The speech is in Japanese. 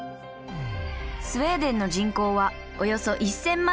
スウェーデンの人口はおよそ１，０００万人。